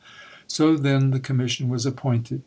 So then the Commission was appointed.